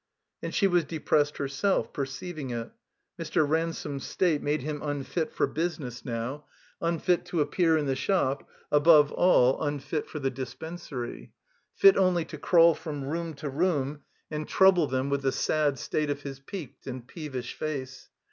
And she was depressed herself, perceiving it. Mr. Ransome's state made him tinfit for business now, 304 THE COMBINED MAZE ifit to appear in the shop, above all unfit for the c^spensary. Fit only to crawl from room to room and trouble them with the sad state of his peaked and peevish face.